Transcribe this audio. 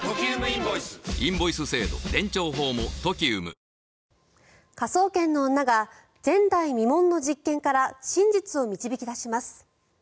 丈夫なからだへ「養命酒」「科捜研の女」が前代未聞の実験から真実を導き出します。